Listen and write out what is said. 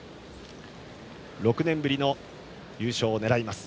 ６年ぶりの優勝を狙います。